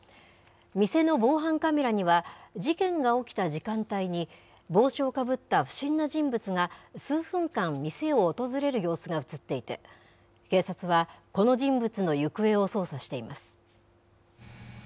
店の防犯カメラには、事件が起きた時間帯に、帽子をかぶった不審な人物が数分間、店を訪れる様子が写っていて、警察は、この人物の行方を捜査しています。